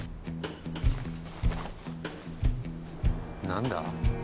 何だ？